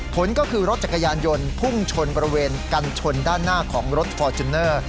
ผลก็คือรถจักรยานยนต์พุ่งชนบริเวณกันชนด้านหน้าของรถฟอร์จูเนอร์